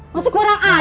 masih kurang aja sih tuh